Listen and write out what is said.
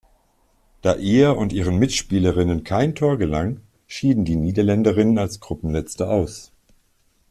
Da ihr und ihren Mitspielerinnen kein Tor gelang, schieden die Niederländerinnen als Gruppenletzte aus.